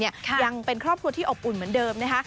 ยังเป็นครอบครัวที่อบอุ่นเหมือนเดิมนะคะ